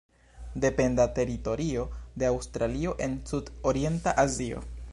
Dependa teritorio de Aŭstralio en Sud-Orienta Azio.